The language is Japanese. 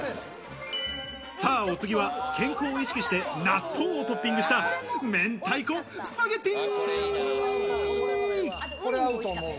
さあ、お次は、健康を意識して納豆をトッピングしためんたいこスパゲティ！